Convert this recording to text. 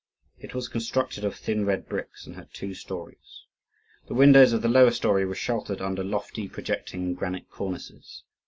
It was constructed of thin red bricks, and had two stories. The windows of the lower story were sheltered under lofty, projecting granite cornices.